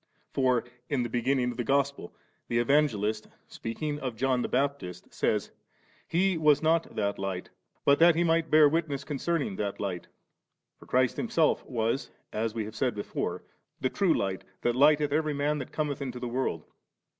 For in the beginning of the Gospel, the Evan gelist, speaking of John the Baptist, says, ' He was not that Light, but that he might bear witness concerning that Light'.' For Christ Himself was, m we have said before, the True Light that lighteth every man that cometh into the world.